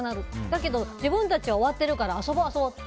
だけど自分たちは終わってるから遊ぼう、遊ぼうって。